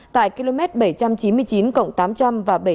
tại km bảy trăm chín mươi chín tám trăm linh và bảy trăm chín mươi chín